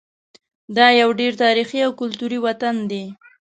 دا یو ډېر تاریخي او کلتوري وطن دی.